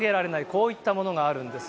こういったものがあるんです。